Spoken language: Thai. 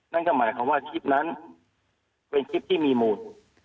นั่นก็หมายความว่าคลิปนั้นเป็นคลิปที่มีมูล